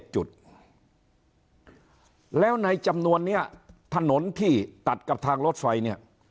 จุดแล้วในจำนวนนี้ถนนที่ตัดกับทางรถไฟเนี่ย